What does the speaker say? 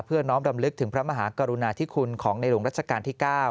น้อมรำลึกถึงพระมหากรุณาธิคุณของในหลวงรัชกาลที่๙